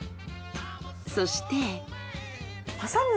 そして。